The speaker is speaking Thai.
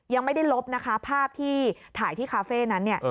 ยังไม่ได้ลบนะคะภาพที่ถ่ายที่คาเฟ่นั้นเนี่ย